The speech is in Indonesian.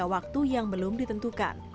waktu yang belum ditentukan